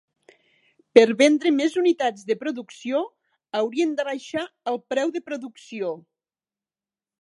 Per vendre més unitats de producció, haurien d'abaixar el preu de producció.